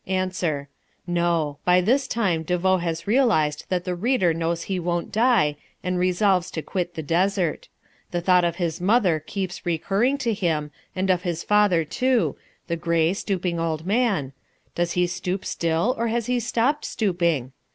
Answer. No. By this time De Vaux has realized that the reader knows he won't die and resolves to quit the desert. The thought of his mother keeps recurring to him, and of his father, too, the grey, stooping old man does he stoop still or has he stopped stooping?